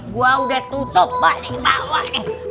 gue udah tutup balik bawa nih